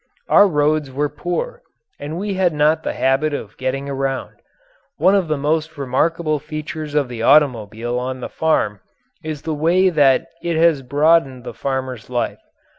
Our roads were poor and we had not the habit of getting around. One of the most remarkable features of the automobile on the farm is the way that it has broadened the farmer's life.